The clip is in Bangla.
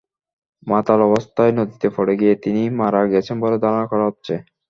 মাতাল অবস্থায় নদীতে পড়ে গিয়ে তিনি মারা গেছেন বলে ধারণা করা হচ্ছে।